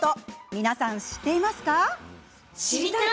皆さん、知っていますか？